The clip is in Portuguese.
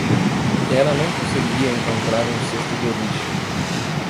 Ela não conseguia encontrar um cesto de lixo.